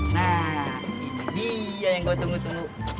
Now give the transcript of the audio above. nah ini dia yang kau tunggu tunggu